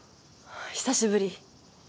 久しぶり。